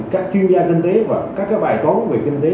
các chuyên gia kinh tế và các bài tốn về kinh tế